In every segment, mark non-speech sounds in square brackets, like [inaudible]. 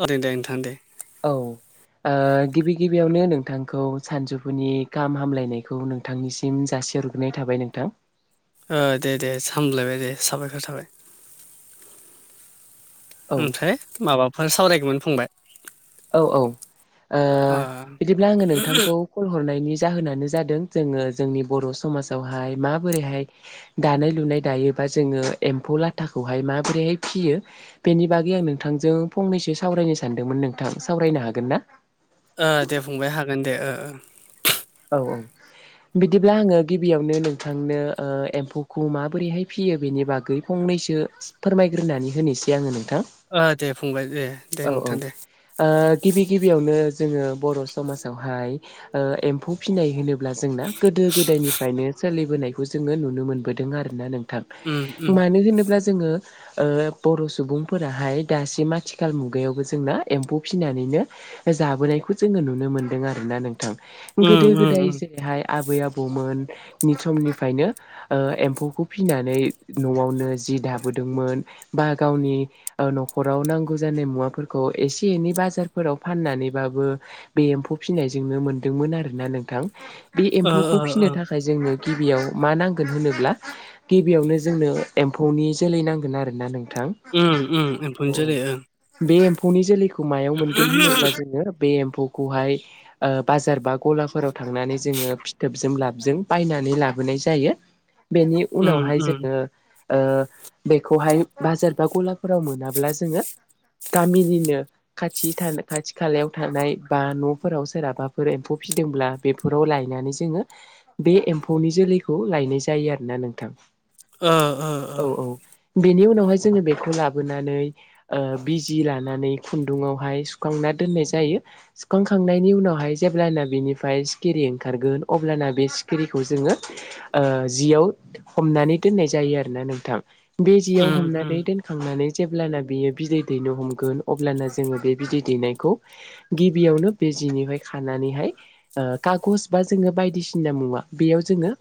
औ दे दै नोंथां दे। औ ओ गिबि गिबियावनो नोंथांखौ सानजौफुनि गाहाम हामलायनायखौ नों नोंथांनिसिम जासि हरग्रोनाय थाबाय नोंथां। ओ दे दे सामलायबाय दे साबायखर थाबाय। औ ओमफ्राय माबाफोर सावरायगौमोन फंबाय? औ औ ओ ओ बिदिब्ला आङो नोंथांखौ खल हरनायनि जाहोनानो जादों जोङो जोंनि बर' समाजावहाय माबोरैहाय दानाय लुनाय दायोबा जोङो एम्फौ लाथाखौहाय माबोरैहाय फिसियो बेनि बागै आं नोंथांजों फंनैसो सावरायनो सानदोंमोन नोंथां सावरायनो हागोन ना? दे फंबाय हागोन दे। औ औ बिदिब्ला आङो गिबियावनो नोंथांनो ओ एम्फौखौ माबोरैहाय फियो बेनि बागै फंनैसो फोरमायग्रोनानै होनोसै आङो नोंथां। ओ दे फंबाय दे दे औ नोंथां दे। ओ गिबि गिबियावनो जोङो बर' समाजावहाय ओ एम्फौ फिनाय होनोब्ला जोंना गोदो गोदायनिफ्रायनो सोलिबोनायखौ जोङो नुनो मोनबोदों आरोना नों थां। उम उम मानो होनोब्ला जोङो ओ बर' सुबुंफोराहाय दासिम आथिखाल मुगायावबो जोंना एम्फौ फिनानैनो ओ जाबोनायखौ जोङो नुनो मोनदों आरोना नोंथां। गोदो उम उम गोदाय उम जेरैहाय आबै आबौमोननि समनिफ्रायनो ओ एम्फौखौ फिसिनानै न'आवनो जि दाबोदोंमोन बा गावनि ओ न'खराव नांगौ जानाय मुवाफोरखौ एसे एनै बाजारफोराव फाननानैबाबो बे एम्फौ फिसिनायजोंनो मोनदोंमोन आरोना नोंथां। बे ओ ओ एम्फौखौ फिसिनो ओ थाखाय जोंनो गिबियाव मा नांगोन होनोब्ला गिबियावनो जोंनो एम्फौनि जोलै नांगोन आरो ना नोंथां। उम उम औ एम्फौ नि औ। जोलौ ओं। बे एम्फौनि जोलैखौ मायाव मोनगोन होनोब्ला जोङो बे एम्फौखौहाय ओ बाजार बा गलाफोराव थांनानै जोङो फिथोबजों लाबजों बायनानै लाबोनाय जायो। बेनि उम उनावहाय उम जोङो ओ बेखौहाय बाजार बा गलाफोराव मोनाब्ला जोङो गामिनिनो खाथि थानाय खाथि खालायाव थानाय बा न'फोराव सोरहाबाफोर एम्फौ फिदोंब्ला बेफोराव लायनानै जोङो बे एम्फौनि जोलैखौ लायनाय जायो आरोना नोंथां। ओ ओ ओ औ औ। बेनि उनावहाय जोङो बेखौ लाबोनानै बिजि लानानै खुन्दुावहाय सुखांना दोननाय जायो। सुखांखांनायनि उनावहाय जेब्लानो बिनिफ्राय सिखिरि ओंखारगोन अब्लाना बे सिखिरिखौ जोङो जियाव हमनानै दोननाय जायो आरोोना नोंथां बे जियाव उम उम हमनानै दोन थांनानै जेब्लाना बियो बिदै दैनो हमगोन अब्लाना जोङो बे बिदै दैनायखौ गिबियावनो बे जिनिफ्राय खानानैहाय खागज बा जोङो बायदिसिना मुवा बेयाव जोङो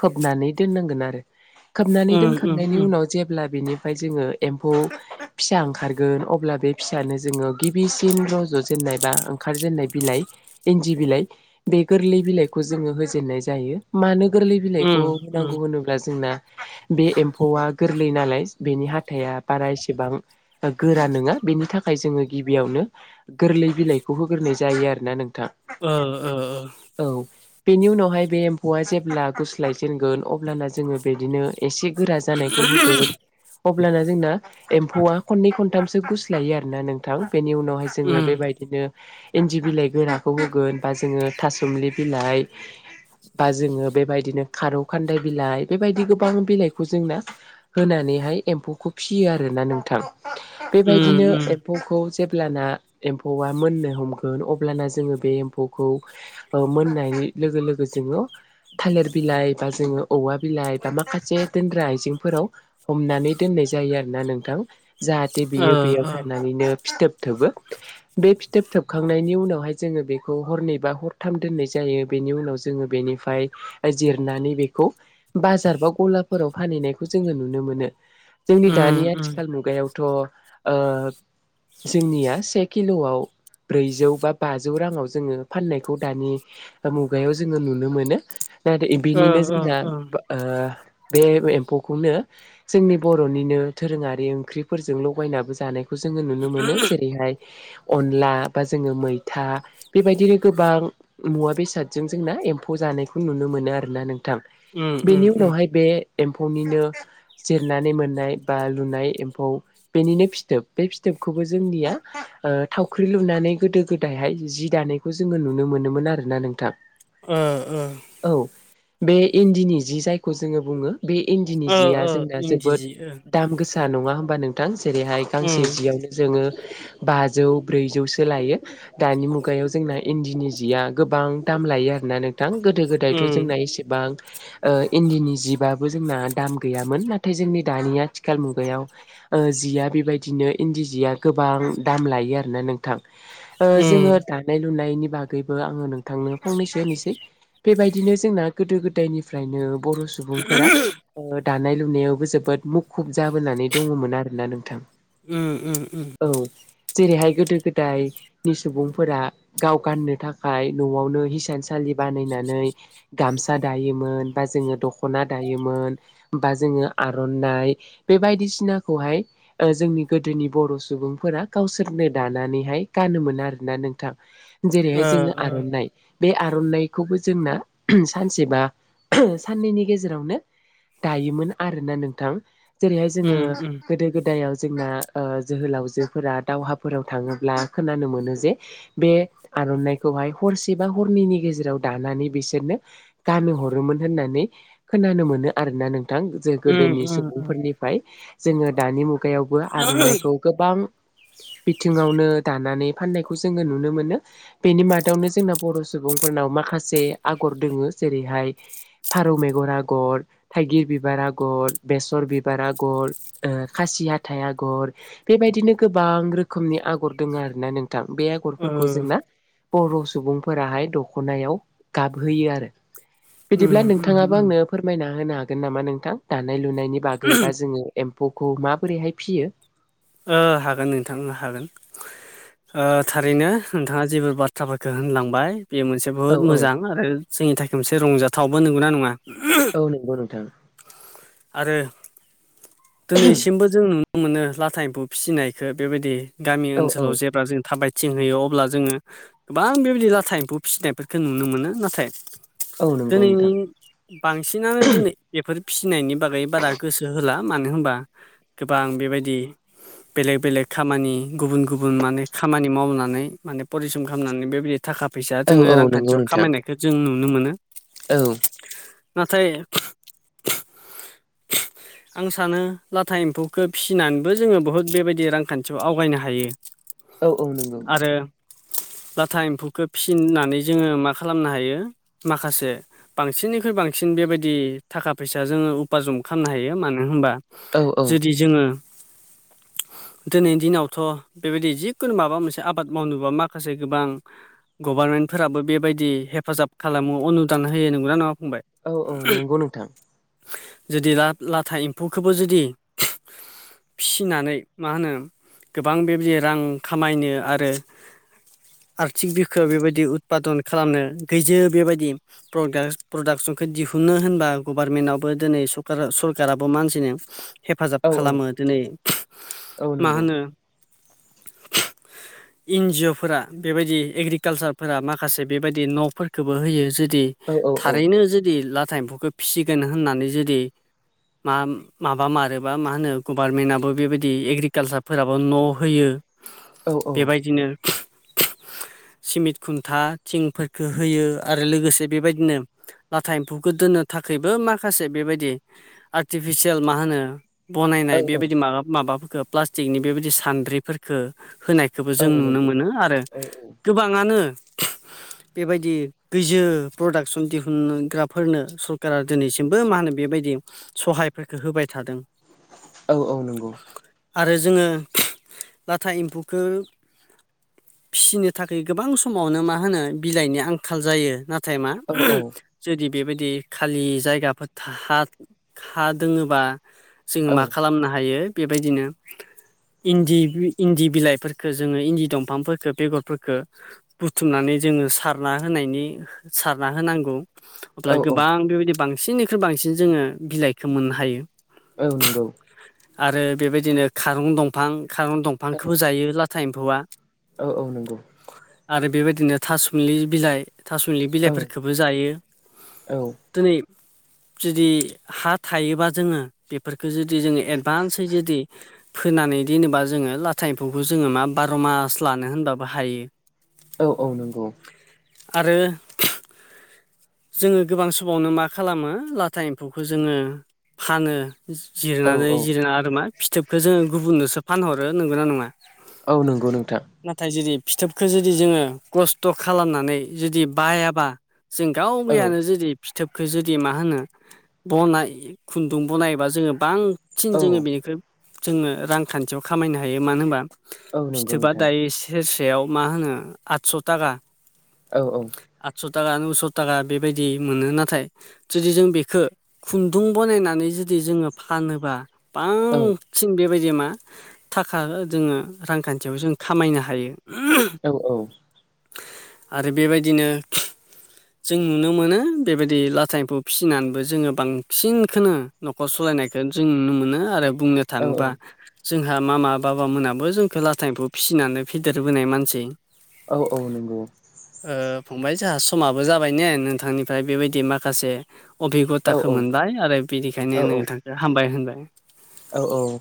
खोबनानै दोननांगोन आरो, खोबनानै उम उम दोनखांनायनि उम उनाव जेब्ला बिनिफ्राय जोङो एम्फौ फिसा ओंखारगोन अब्ला बे फिसायानो जोङो गिबिसिन रज'जेननाय बा ओंखारजेननाय बिलाइ इन्दि बिलाइ बे गोरलै बिलाइखौ जोङो होजेननाय जायो। मानो गोरलै बिलाइखौ उम उम होनांगौ होनोब अब्ला जोंना बे एम्फौआ गोरलै नालाय बेनि हााइा बारा एसेबां गोरा नङा बेनि थाखाय जोङो गिबियावनो गोरलै बिलाइखौ होग्रोनाय जायो आरोना नोंथां। ओ ओ औ बेनि उनावहाय बे एम्फौआ जेब्ला गुस्लाय जेनगोन अब्लाना जोङो बिदिनो एसे गोरा जानायखौ उम उम होगोन। अब्लाना जोंना एम्फौआ खननै खनथामसो गुस लायो आरो ना नोंथां बेनि उनावहाय जोङो बेबायदिनो इन्दि बिलाइ गोराखौ होगोन, बा जोङो थासुमलि बिलाइ बा जोङो बेबायदिनो खारौ खान्दाय बिलाइ, बेबायदि गोबां बिलाइखौ जोंना होनानैहाय एम्फौखौ फिसियो आरोना नोंथां, बेबायदिनो उम एम्फौखौ जेब्लाना एम्फौआ मोननो हमगोन अब्लाना जोङो बे एम्फौखौ मोननाय लोगो लोगो जोङो थालिर बिलाइ बा जोङो औवा बिलाइ बा माखासे दोनग्रा आइजेंफोराव हमनानै दोननाय जायो आरोना नोंथां, जाहाथे ओ बियो बेयाव थानानैनो फिथोब थबो बे फिथोब थोबखांनायनि उनावहाय जोङो बे हरनैबा हरथाम दोननाय जायो बेनि उनाव जोङो बेनिफ्राय जिरनानै बेखौ बाजार बा गलाफोराव फानहैनायखौ जोङो नुनो मोनो, जोंनि उम दानि उम आथिखाल मुगायाव थ' ओ जोंनिया से किल'व ब्रैजौ बा बाजौ राङाव जोङो फाननायखौ दानि मुगायाव जोङो नुनो मोनो। ना ओ बिनिनो ओ जोंना ओ बे एम्फौखौनो जोंनि बर'निनो दोरोङारि ओंख्रिफोरजों लगायनाबो जानाय खौ जोङो नुनो मोनो जेरैहाय अनला बा जोङो मैथा बेबायदिनो गोबां मुवा बेसादजों जोंना एम्फौ जानायखौ नुनो मोनो आरोना नों उम उम बेनि उम उनावहाय बे एम्फौनिनो जिरनानै मोननाय बा लुनाय एम्फौ बेनिनो फिथोब बे फिथोबखौबो जोंनिया थावख्रि लुनानै गोदो गोदायहाय जि दानायखौ जोङो नुनो मोनोमोन आरो ना नोंथां। ओ ओ। औ। बे इन्दिनि जि जायखौ जोङो बुङो बे इन्दिनि ओ जिया ओ जोंना इन्दि जोबोद जि ओ दाम गोसा नङा होमबा नोंथां? जेरैहाय गांसे उम जियावनो जोङो बाजौ ब्रैजौसो लायो, दानि मुग खुगायाव जोंना इन्दिनि जिया गोबां दाम लायो आरोना नों दां गोदो गोदायथ' उम जोंना एसेबां इन्दिनि जिबाबबो जोंना दाम गैयामोन, नाथाय जोंनि दानिया आथिखाल मुगायाव जिया बेबायदिनो इन्दि सिया गोबां दाम लायो आरोना नों जोङो उम दानाय लुनायनि बागैबो आङो नोंथांनो फंनैसो होनोसै। बेबायदिनो जोंना गोदो गोदायनिफ्रायनो बर' सुबुंफोरा दानाय लुनायावबो जोबोद मुखुब जाबोनानै दङमोन आरोना नोंथां। उ उ उ। औ जेरैहाय गोदो गोदायनि सुबुं फोर गाव गाननो थाखाय न'आवनो हिसानसालि बानायनानै गामसा दायोमोन बा जोङो दख'ना दायोमोन। बा जोङो आर'नाइ बे बायदिसिनाखौहाय जोंनि गोदोनि बर' सुबुंफोरा गावसोरनो दानानैहाय गानोमोन आरोना नों जेरैहाय ओ जोङो ओ आर'नाइ बे आर'नाइखौबो जोंना सानसेबा साननैनि गेजेरावनो दायोमोन आरोना नोंथां जेरैहाय जोङो उम उम गोदो गोदायाव जोंना जोहोलावजोफोरा दावहाफोराव थाङोब्ला खोनानो मोनो जे बे आर'नाइखौहाय हरसे बा हरनैनि गेजेराव दानानै बिसोरनो गानो हरोमोन होननानै खोनानो मोनो आरोना नोंथां जे उम गोदोनि उम उम सुबुंफोरनि जोङो दानि मुगायावबो ओ आर'नाइखौ गोबां बिथिङावनो दानानै फाननायखौ जोङो नुनो मोनो बेनि मादावनो जोंना बर' सुबुंफोरनाव माखासे आगर दोङो जेरैहाय फारौ मेगर आगर थाइगिर बिबार आगर बेसर बिबार आगर खासि हाथाइ आगर बेबायदिनो गोबां रोखोमनि आगर दोङो आरोना नोंथां बे आगरफोरखौ जोंना बर' सुबुंफोराहाय दख'नायाव गाबहोयो आरो उम बिदिब्ला उम नोंथाङाबो उम आंनो फोरमायना होनो हागोन नामा नोंथां दानाय लुनायनि बागै बा जोङो एम्फौखौ माबोरैहाय फियो हागोन नोंथां हागोन थारैनो नोंथाङा जेबो बाथ्राफोरखौ होनलांबाय बेयो मोनसे औ बहुद औ मोजां आरो जोंनि थाखाय मोनसे रंजाथावबो नंगौना नङा औ नंगौ नोंथां आरो दिनैसिमबो जों नुनो मोनो लाथा एम्फु फिसिनायखौ बेबायदि गामि औ औ ओनसोलाव जेब्ला जों थाबायथिं होयो अब्ला जोङो गोबां बेबायदि लाथा एम्फौ फिसिनायफोरखौ नुनो मोनो नाथाय औ नंगौ दिनैनि नोंथां बांसिनानो दिनै बेफोर फिसिनायनि बागै बारा गोसो होला मानो होनबा गोबां बेबायदि बेलेग बेलेग खामानि गुबुन गुबुन माने खामानि मावनानै माने फरिस्रम खालामनानै बेबायदि थाखा फैसा औ जोङो औ नंगौ रांखान्थियाव नोंथां खामायनायखौ जों नुनो मोनो औ नाथाय [inaudible] आं सानो लाथा एम्फौखौ फिसिनानैबो जोङो बहुद बेबायदि रांखान्थियाव आवगायनो हायो औ औ नंगौ आरो लाथा एम्फौखौ फिसिनानै जोङो मा खालामनो हायो माखासे बांसिननिख्रुइ बांसिन बेबायदि थाखा फैसा जोङो [unintelligible] जम खालामनो हायो मानो होनबा औ जुदि जोङो दिनैनि दिनावथ' बेबायदि जिखुनु माबा मोनसे आबाद मावनोबा माखासे गोबां गभार्नमेन्टफोराबो बेबायदि हेफाजाब खालामो अनुदान होयो नंगौना नङा बुंबाय औ औ नंगौ नोंथां जुदि ला लाथा एम्फौखौबो जुदि फिसिनानै मा होनो गोबां बेबायदि रां खामायनो आरो आर्थिक बिखोायाव बेबायदि उदपादन खालामनो गैज बेबायदि प्र प्रडाक्सनखौ दिहुनो होनबा गभारनमेन्टआवबो दिनै सर सरकाराबो मानसिनो हेफाजाब औ औ खालामो दिनै औ मा होनो [inaudible] एन जिअफोरा बेबायदि एग्रिकालसारफोरा माखासे बेबायदि न'फोरखौबो होयो जुदि औ औ थारैनो जुदि लाथा एम्फौखौ फिसिगोन होननानै जुदि मा माबा मारोबा मा होनो गभार्मेन्टआबो बेबायदि एग्रिकालसारफोराबो न' होयो औ बेबायदिनो [inaudible] सिमिट खुन्था थिंफोरफोरखौ होयो आरो लोगोसे बेबायदिनो नाथाय एम्फौखौ दोननो थाखायबो माखासे बेबायदि आर्टिफिसियेल मा होनो औ बनायनाय बेबायदि माबा माबाफोरखौ प्लास्ट नि बेबायदि सान्द्रिफोरफोरखौ होनायखौबो औ जों नुनो नंगौ मोनो आरो औ गोबाङानो बेबायदि गैजो प्रडाक्सन दिहुनग्राफोरनो सरकारा दिनैसिमबो मा होनो बेबायदि सहायफोरखौ होबाय थादों। औ औ नंगौ। आरो जोङो लाथा एम्फौखौ फिसिनो थाखाय गोबां समावनो मा होनो बिलाइनि आंखाल जायो नाथाय थाइ मा औ जुदि बेबायदि खालि जायगाफोर था हा दोङोबा औ जोङो मा खालामनो हायो बेबायदिनो इन्दि इन्दि बिलाइफोरखौ जोङो इन्दि दंफांफोरखो बेगरफोरखो बुथुमनानै जोङो सारना होनायनि सारना होनांगौ औ अब्ला गोबां बेबायदि बांसिननिख्रुइ बांसिन जोङो बिलाइखौ मोननो हायो। औ नंगौ। आरो बेबायदिनो खारं दंफां खारं दंफांखौबो जायो लाथा एम्फौआ। औ औ नंगौ। आरो बेबायदिनो थासुमलि बिलाइ थासुमलि औ बिलाइफोरखौबो जायो दिनै जुदि हा थायोबा जोङो बेफोरखो जुदि जोङो एडभान्सै जुदि फोनानै दोनोबा जोङो लाथा एम्फौखौ जोङो मा बार' मास लानो होनबाबो हायो औ औ नंगौ। आरो जोङो गोबां समावनो मा खालामो लाथा एम्फौ खौ जोङो फानो औ जिरनानै औ जिरायना आरो मा फिथोबखौ जोङो गुबुननोसो फानहरो नोंगौ नना नङा? औ नंगौ नोंथां। नाथाय जुदि फिथोबखौ जुदि जोङो खस्थ' खालामनानै जुदि बायाबा जों गाव औ गयानो जुदि फिथोबखो जुदि मा होनो बनाय खुन्दुं बनायबा जोङो बांसिन औ जोङो बेनिख्रुइ जोङो रांखान्थियाव खामायनो हायो मानो होनबा औ नंगौ फिथोबा नोंथां दायो सेरसेयाव मा होनो आदस' थाखा। औ औ। आदस' थाखा नुस' थाखा बेबायदि मोनो नाथाय जुदि जों बेखो खुन्दुं बनायनानै जुदि जोङो फानोबा बां औ सिन बेबायदि मा थाखा जोङो रांखान्थियाव जों खामायनो हायो। औ औ। आरो बेबायदिनो जों नुनो मोनो बेबायदि लाथाइखौ फिसिनानैबो जोङो बांसिनखौनो न'खर सालायनायखौ जों नुनो मोनो आरो बुंनो औ थाङोबा जोंहा मामा बाबामोनहाबो जोंखौ लाथाइखौ फिसिनानै फेदेरबोनाय मानसि। औ औ नंगौ। फंबाय जोंहा समाबो जाबाय ने नोंथांनिफ्राय बेबायदि माखासे अबेगद औ दाखो मोनबाय आरो औ बिनिखायनो नों नोंथांखौ हामबाय होनबाय। औ औ।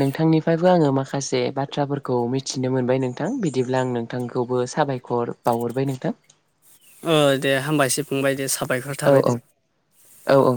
नोंथांनिफ्रायबो आङो माखासे बाथ्राफोरखौ मिथिनो मोनबाय नोंथां बिदिब्ला आं नों नोंथांखौबो साबायखर बावहरबाय नोंथां। दे हामबायसो फंबाय दे साबायखर औ थाबाय औ दे। औ औ।